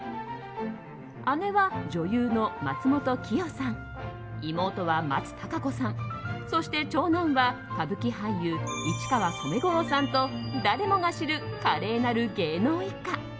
姉は女優の松本紀保さん妹は松たか子さんそして長男は歌舞伎俳優・市川染五郎さんと誰もが知る華麗なる芸能一家。